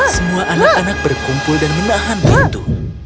semua anak anak berkumpul dan menahan pintu